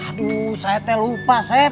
aduh saya teh lupa